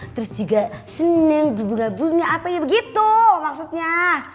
terus juga seneng berbunga bunga apa gitu maksudnya